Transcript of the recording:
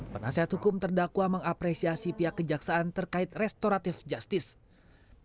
penasihat hukum terdakwa mengapresiasi pihak kejaksaan terkait restoratif justice